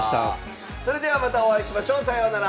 それではまたお会いしましょう。さようなら！